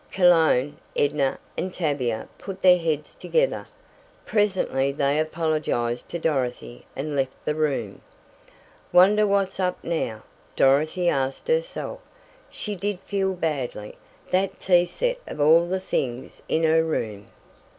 Cologne, Edna, and Tavia put their heads together. Presently they apologized to Dorothy and left the room. "Wonder what's up now?" Dorothy asked herself. She did feel badly that tea set of all the things in her room!